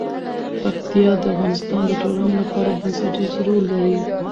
پکتیا د افغانستان د ټولنې لپاره بنسټيز رول لري.